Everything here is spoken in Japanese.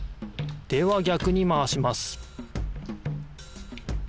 では逆にまわします